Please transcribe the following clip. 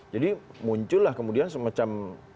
jadi muncullah kemudian semacam